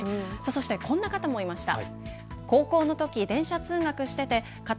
そしてこんな方もいました。